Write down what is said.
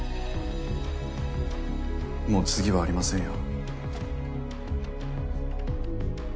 もう次はありませんよ。